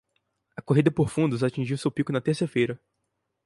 A corrida por fundos atingiu seu pico na terça-feira.